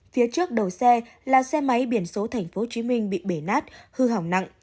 phía trước đầu xe là xe máy biển số tp hcm bị bể nát hư hỏng nặng